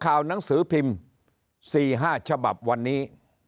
ข่าวหนังสือพิมพ์๔๕ฉบับวันนี้